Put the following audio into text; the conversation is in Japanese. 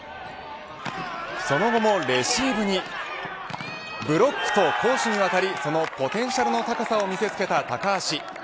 その後もレシーブにブロックと攻守にわたりそのポテンシャルの高さを見せつけた高橋。